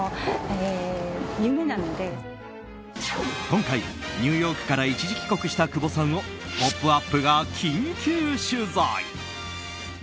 今回、ニューヨークから一時帰国した久保さんを「ポップＵＰ！」が緊急取材！